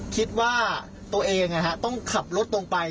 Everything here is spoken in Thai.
คิดว่าตัวเองนะครับต้องขับรถตรงไป